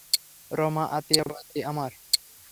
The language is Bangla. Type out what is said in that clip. রমা আতিয়া বয়াতি আমার।